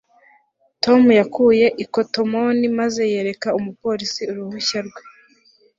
tom yakuye ikotomoni maze yereka umupolisi uruhushya rwe